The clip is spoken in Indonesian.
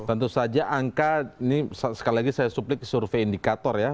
tentu saja angka ini sekali lagi saya suplik survei indikator ya